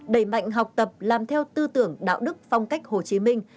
đẩy mạnh học tập làm theo tư tưởng đạo đức phong cách hồ chí minh